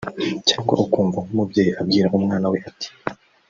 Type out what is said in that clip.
cyangwa ukumva nk’umubyeyi abwiye umwana we ati